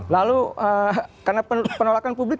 lalu karena penolakan publik